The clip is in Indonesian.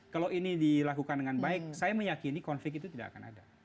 kalau ini dilakukan dengan baik saya meyakini konflik itu tidak akan ada